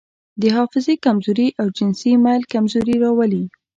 د حافظې کمزوري او جنسي میل کمزوري راولي.